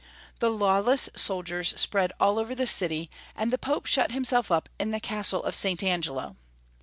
The lawless soldiers spread all over the city, and the Pope shut himself up in the Castle of St. Angelo.